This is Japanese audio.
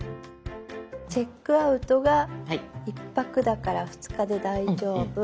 チェックアウトが１泊だから２日で大丈夫。